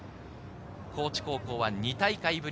高知高校は２大会ぶり